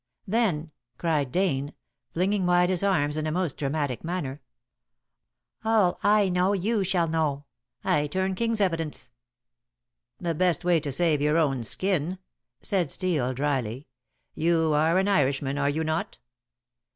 "Then," cried Dane, flinging wide his arms in a most dramatic manner, "all I know you shall know. I turn King's evidence." "The best way to save your own skin," said Steel dryly; "you are an Irishman, are you not?"